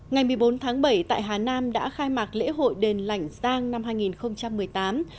ngày một mươi bốn tháng bảy tại hà nam đã khai mạc lễ hội đền lảnh giang năm hai nghìn một mươi tám